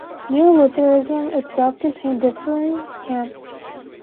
Neo-Lutheranism itself contained differing camps.